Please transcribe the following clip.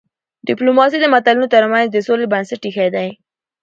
ډيپلوماسي د ملتونو ترمنځ د سولي بنسټ ایښی دی.